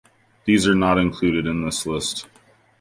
These are not included in this list.